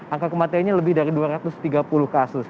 angka kematiannya lebih dari dua ratus tiga puluh kasus